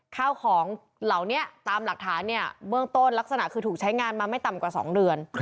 ข้าวของเหล่านี้ตามหลักฐานเนี่ยเบื้องต้นลักษณะคือถูกใช้งานมาไม่ต่ำกว่า๒เดือน